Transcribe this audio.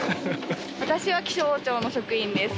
私は気象庁の職員です。